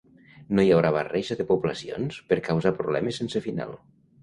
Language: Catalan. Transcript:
No hi haurà barreja de poblacions per causar problemes sense final.